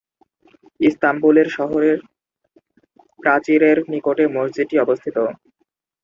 ইস্তাম্বুলের শহরের প্রাচীরের নিকটে মসজিদটি অবস্থিত।